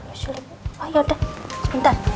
oh yaudah bentar